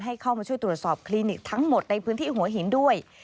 ให้เข้ามาช่วยตรวจสอบคลินิกทั้งหมดในพื้นที่หัวหินด้วย